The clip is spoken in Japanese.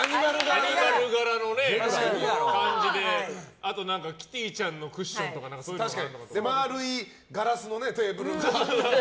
アニマル柄の感じであとキティちゃんのクッションとかで、丸いガラスのテーブルね。